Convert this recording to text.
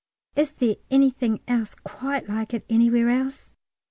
Is there anything else quite like it anywhere else?